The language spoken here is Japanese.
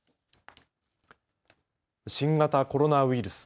新型コロナウイルス。